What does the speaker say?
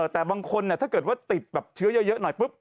แต่บางคนถ้าเจ้าตริษย์เยอะหน่อย